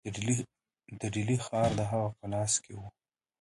د ډهلي ښار د هغه په لاس کې وو.